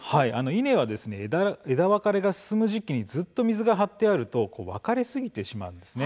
稲は、枝分かれが進む時期にずっと水が張っていると分かれすぎちゃうんです。